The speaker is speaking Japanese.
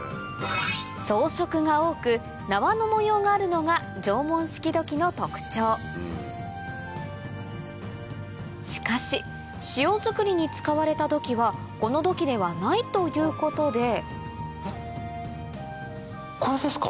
装飾が多く縄の模様があるのが縄文式土器の特徴しかし塩づくりに使われた土器はこの土器ではないということでこれですか？